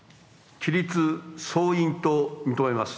起立総員と認めます。